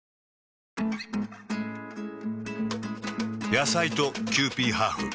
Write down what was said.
野菜とキユーピーハーフ。